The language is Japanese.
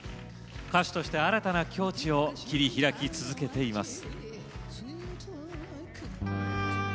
歌手として新たな境地を切り開き続けています。